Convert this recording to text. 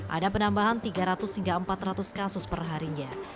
ada penambahan tiga ratus hingga empat ratus kasus perharinya